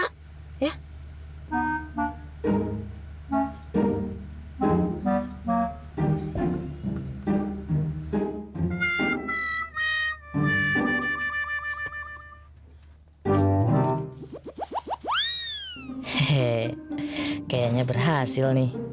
he he kayaknya berhasil nih